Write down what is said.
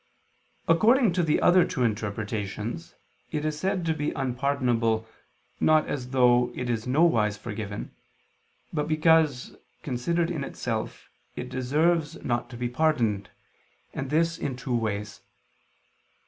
According to the other two interpretations, it is said to be unpardonable, not as though it is nowise forgiven, but because, considered in itself, it deserves not to be pardoned: and this in two ways.